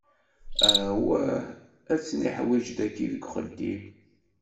Awwah ad tt-niḥwiǧ tagi deg uxeddim.